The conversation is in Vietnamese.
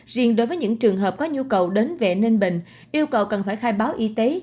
riêng đối với những trường hợp có nhu cầu đến về ninh bình yêu cầu cần phải khai báo y tế